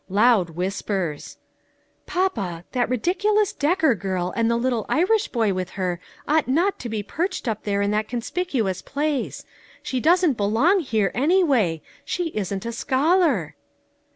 Loud whispers :" Papa, that ridiculous Decker girl and the little Irish boy with her ought not to be perched up there in that conspicuous place. She doesn't belong here, anyway; she isn't a scholar."